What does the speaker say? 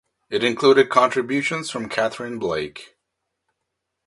It included contributions from Katherine Blake.